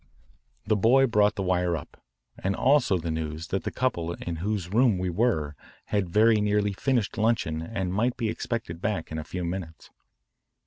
The boy brought the wire up and also the news that the couple in whose room we were had very nearly finished luncheon and might be expected back in a few minutes.